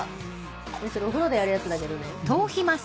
それお風呂でやるやつだけどね。